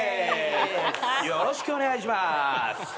よろしくお願いします。